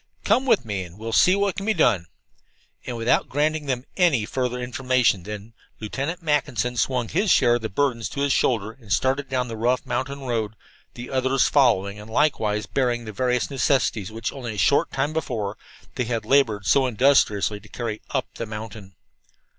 "Come with me and we'll see what can be done." And without granting them any further information then, Lieutenant Mackinson swung his share of the burdens to his shoulder and started down the rough mountain road, the others following, and likewise bearing the various necessities which, only a short time before, they had labored so industriously to carry up the mountain.